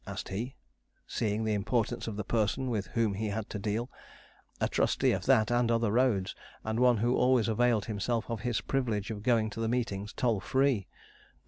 asked he, seeing the importance of the person with whom he had to deal; a trustee of that and other roads, and one who always availed himself of his privilege of going to the meetings toll free.